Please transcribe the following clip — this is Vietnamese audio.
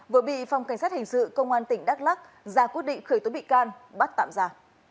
vừa bị phòng cảnh sát hình sự công an tỉnh đắk lắc ra quyết định khởi tố bị can bắt tạm giả